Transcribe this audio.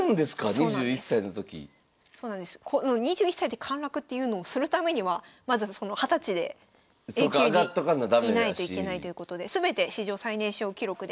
この２１歳で陥落っていうのをするためにはまず２０歳でＡ級にいないといけないということで全て史上最年少記録で。